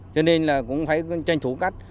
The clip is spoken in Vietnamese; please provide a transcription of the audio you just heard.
cho nên là cũng phải tranh thủ cắt